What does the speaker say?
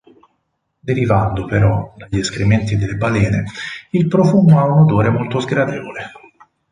Derivando, però, dagli escrementi delle balene, il profumo ha un odore molto sgradevole.